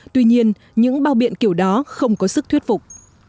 tuy nhiên những bao biện kiểu đó không có sức thuyết phục